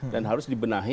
dan harus dibenahi